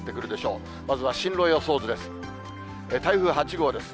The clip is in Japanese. まずは進路予想図です。